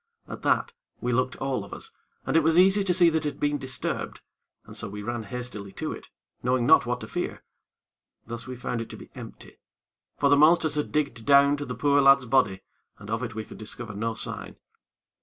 At that, we looked all of us, and it was easy to see that it had been disturbed, and so we ran hastily to it, knowing not what to fear; thus we found it to be empty; for the monsters had digged down to the poor lad's body, and of it we could discover no sign.